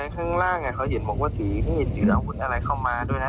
ข้างล่างเค้าเห็นบอกว่าสีอาหุ่นอะไรเข้ามาด้วยนะ